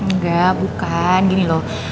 enggak bukan gini loh